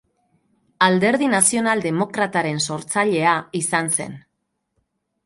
Alderdi Nazional Demokrataren sortzailea izan zen.